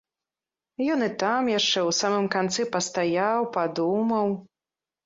Ён і там яшчэ, у самым канцы пастаяў, падумаў.